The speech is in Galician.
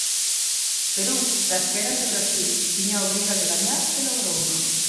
Perú, tras caer ante Brasil, tiña a obriga de gañar e logrouno.